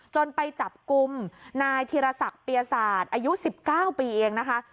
ไปจับกลุ่มนายธีรศักดิ์เปียศาสตร์อายุ๑๙ปีเองนะคะ